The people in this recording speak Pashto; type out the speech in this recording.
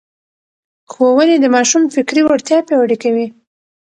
ښوونې د ماشوم فکري وړتیا پياوړې کوي.